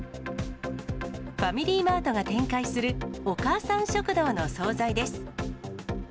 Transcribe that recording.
ファミリーマートが展開するお母さん食堂の総菜です。